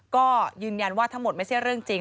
ก็ยืนยันว่าทั้งหมดไม่ใช่เรื่องจริง